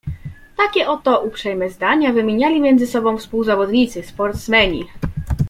"Takie oto uprzejme zdania wymieniali między sobą współzawodnicy, sportsmeni."